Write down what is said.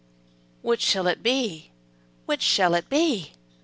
WHICH shall it be? Which shall it be?